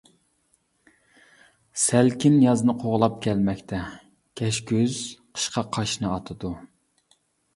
سەلكىن يازنى قوغلاپ كەلمەكتە، كەچكۈز قىشقا قاشنى ئاتىدۇ.